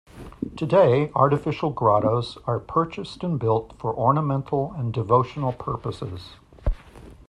Today, artificial grottoes are purchased and built for ornamental and devotional purposes.